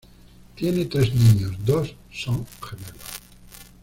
Tienen tres niños; dos son gemelos.